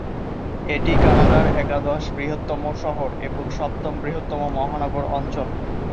এটি কানাডার একাদশ বৃহত্তম শহর এবং সপ্তম বৃহত্তম মহানগর অঞ্চল।